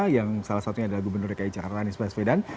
yang salah satunya adalah gubernur dki jakarta anies baswedan